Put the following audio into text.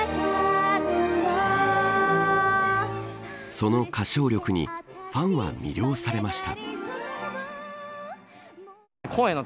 その歌唱力にファンは魅了されました。